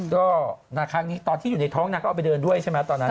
ก็ครั้งนี้ตอนที่อยู่ในท้องนางก็เอาไปเดินด้วยใช่ไหมตอนนั้น